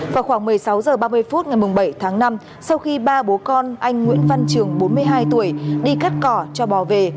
vào khoảng một mươi sáu h ba mươi phút ngày bảy tháng năm sau khi ba bố con anh nguyễn văn trường bốn mươi hai tuổi đi cắt cỏ cho bò về